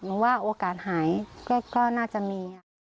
หรือว่าโอกาสหายก็น่าจะมี